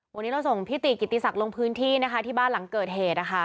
วันนี้เราส่งพี่ติกิติศักดิ์ลงพื้นที่นะคะที่บ้านหลังเกิดเหตุนะคะ